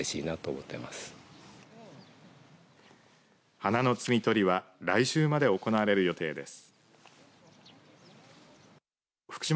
花の摘み取りは来週まで行われる予定です。